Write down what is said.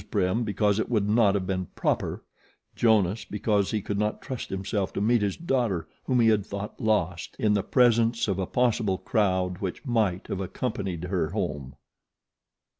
Prim because it would not have been PROPER; Jonas because he could not trust himself to meet his daughter, whom he had thought lost, in the presence of a possible crowd which might have accompanied her home.